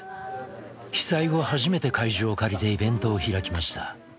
被災後初めて会場を借りてイベントを開きました。